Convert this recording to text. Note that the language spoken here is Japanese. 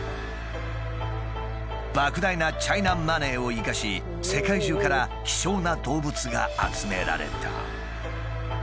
ばく大なチャイナマネーを生かし世界中から希少な動物が集められた。